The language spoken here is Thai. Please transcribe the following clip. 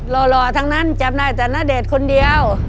หล่อทั้งนั้นจับได้แต่ณเดชน์คนเดียว